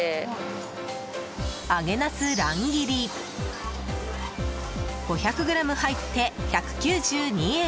揚げなす乱切り５００ｇ入って１９２円。